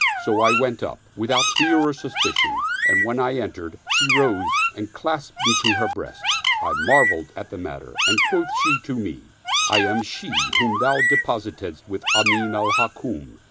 So I went up, without fear or suspicion, and when I entered, she rose and clasped me to her breast. I marveled at the matter and quoth she to me, " I am she whom thou depositedst with Amin al Hukm."